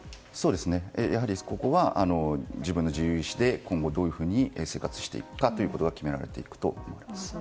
やはりここは自分の自由意思で今後、どういうふうに生活をしていくか決められていくとみられます。